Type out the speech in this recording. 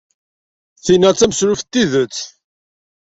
Tinna d tameslubt n tidet!